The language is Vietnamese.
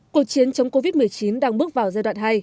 cuộc chiến chống covid một mươi chín đang bước vào giai đoạn hai